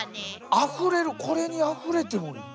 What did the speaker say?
あふれるこれにあふれてもいい。